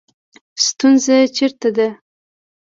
ستونزه چېرته ده